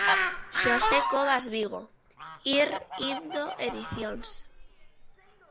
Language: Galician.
Xosé Cobas, Vigo: Ir Indo Edicións.